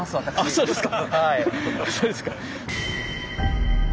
あそうですか。